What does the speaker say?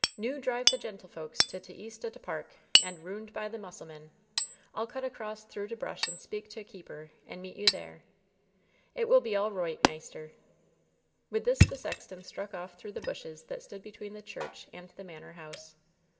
"Noo drive the gentlefolks to t' east o' t' park, and 228 LOVE'S BITTEREST CUP roond by the musselman. Fll cut across through t* brush and speak to f keeper, and meet you there. It will be all roi^ht, maister/' With this the sexton struck off through the bushes that stood between the church and the manor house.